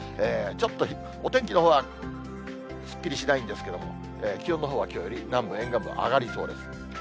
ちょっと、お天気のほうはすっきりしないんですけれども、気温のほうはきょうより、南部、沿岸部は上がりそうです。